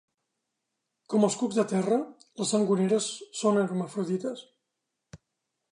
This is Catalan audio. Com els cucs de terra, les sangoneres són hermafrodites.